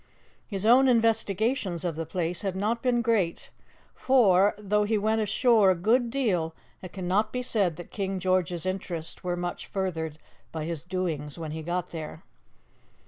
His own investigations of the place had not been great, for, though he went ashore a good deal, it cannot be said that King George's interests were much furthered by his doings when he got there.